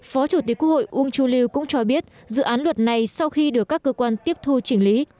phó chủ tịch quốc hội uông chu lưu cũng cho biết dự án luật này sau khi được các cơ quan tiếp thu chỉnh lý